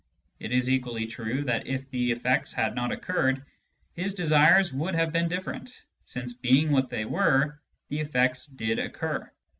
It is equally true that if the effects had not occurred, his desires would have been different, since being what they were the effects did occur.